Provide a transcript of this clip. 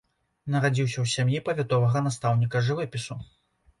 Нарадзіўся ў сям'і павятовага настаўніка жывапісу.